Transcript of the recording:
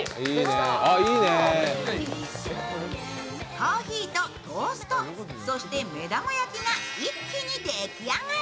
コーヒーとトースト、そして目玉焼きが一気に出来上がり。